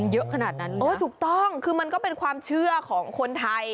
เยอะขนาดนั้นเลยเออถูกต้องคือมันก็เป็นความเชื่อของคนไทย